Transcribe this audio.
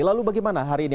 lalu bagaimana hari ini